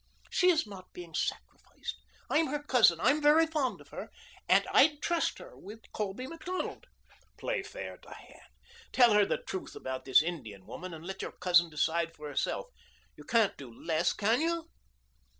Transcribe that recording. "She is not being sacrificed. I'm her cousin. I'm very fond of her. And I'd trust her with Colby Macdonald." "Play fair, Diane. Tell her the truth about this Indian woman and let your cousin decide for herself. You can't do less, can you?"